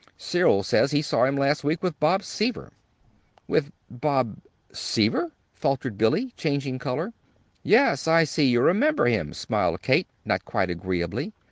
Cyril says he saw him last week with Bob Seaver." "With Bob Seaver?" faltered Billy, changing color. "Yes. I see you remember him," smiled Kate, not quite agreeably.